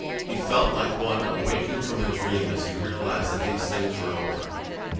He felt like one awaking from a dream as he realised that these things were over.